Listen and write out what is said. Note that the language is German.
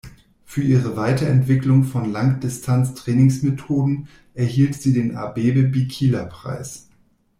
Für ihre Weiterentwicklung von Langdistanz-Trainingsmethoden erhielt sie den Abebe-Bikila-Preis.